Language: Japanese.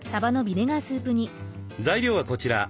材料はこちら。